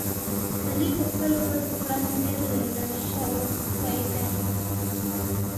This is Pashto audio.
علي په خپلو بدو کړنو ډېر لیله شو دی.